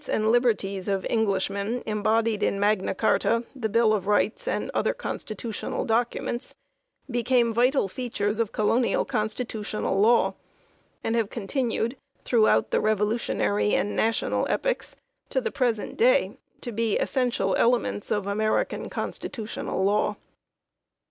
i8 4 THE INFLUENCE OF MAGNA CARTA and liberties of Englishmen embodied in Magna Carta, the Bill of Rights, and other constitutional documents became vital features of colonial constitutional law, and have continued throughout the revolutionary and national epochs to the present day to be essential elements of American constitutional law.